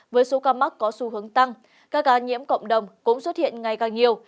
với số ca mắc có xu hướng tăng các ca nhiễm cộng đồng cũng xuất hiện ngày càng nhiều